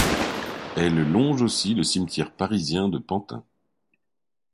Elle longe aussi le Cimetière parisien de Pantin.